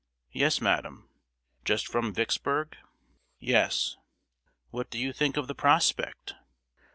"Yes, madam." "Just from Vicksburg?" "Yes." "What do you think of the prospect?"